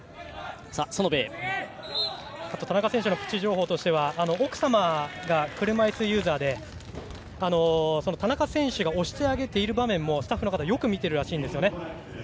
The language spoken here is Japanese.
あと田中選手のプチ情報としては奥様が車いすユーザーで田中選手が押してあげている場面もスタッフの方はよく見ているらしいです。